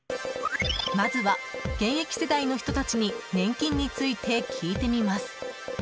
まずは現役世代の人たちに年金について聞いてみます。